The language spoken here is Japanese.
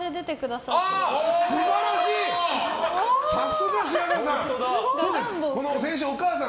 さすが白河さん！